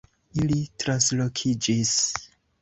Ili translokiĝis